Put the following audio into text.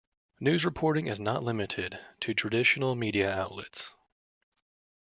News reporting is not limited to traditional media outlets.